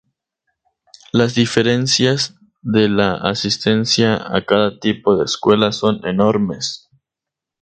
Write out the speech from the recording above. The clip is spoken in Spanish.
Las diferencias de la asistencia a cada tipo de escuela son enormes.